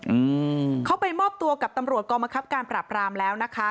อืมเขาไปมอบตัวกับตำรวจกองบังคับการปรับรามแล้วนะคะ